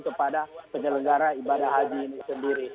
kepada penyelenggara ibadah haji ini sendiri